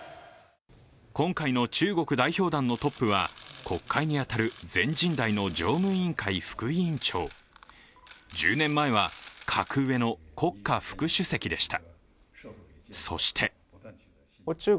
今回の中国代表団のトップは国会に当たる全人代の常務委員会副委員長、１０年前は格上の国家副主席でした。